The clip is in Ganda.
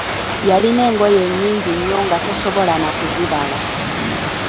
Yalina engoye nnyingi nnyo nga tosobola na kuzibala.